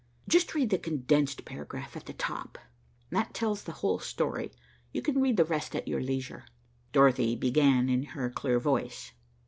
"Just read the condensed paragraph at the top," I said. "That tells the whole story. You can read the rest at your leisure." Dorothy began in her clear voice.